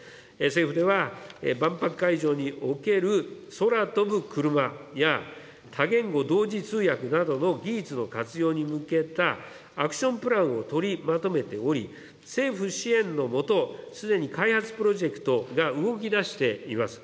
政府では万博会場における空飛ぶ車や、多言語同時通訳などの技術の活用に向けた、アクションプランを取りまとめており、政府支援の下、すでに開発プロジェクトが動きだしています。